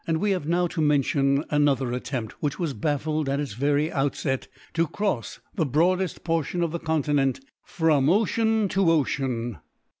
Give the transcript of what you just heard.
We have now to mention another attempt, which was baffled at its very outset, to cross the broadest portion of the continent from ocean to ocean.